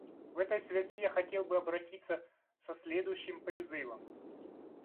В этой связи я хотел бы обратиться со следующим призывом.